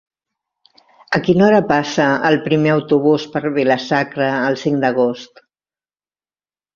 A quina hora passa el primer autobús per Vila-sacra el cinc d'agost?